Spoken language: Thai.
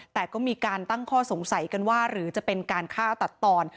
แต่ก็มีการตั้งข้อสงสัยกันว่าหรือจะเป็นการฆ่าตัดตอน